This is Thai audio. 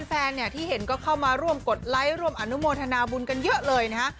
แฟนเนี่ยที่เห็นก็เข้ามาร่วมกดไลค์ร่วมอนุโมทนาบุญกันเยอะเลยนะฮะ